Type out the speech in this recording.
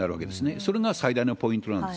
それが最大のポイントなんです。